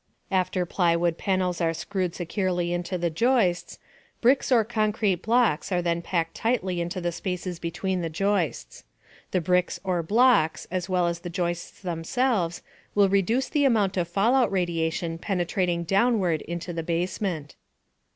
After plywood panels are screwed securely to the joists, bricks or concrete blocks are then packed tightly into the spaces between the joists. The bricks or blocks, as well as the joists themselves, will reduce the amount of fallout radiation penetrating downward into the basement.